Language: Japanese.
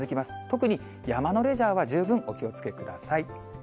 特に、山のレジャーは十分お気をつけください。